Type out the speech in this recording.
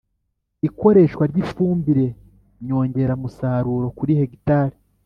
ikoreshwa ry'ifumbire nyongeramusaruro kuri hegitare